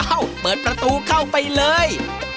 เปิดประตูเข้าไปเลย